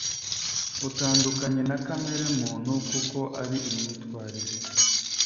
utandukanye na kamere muntu kuko ari imyitwarire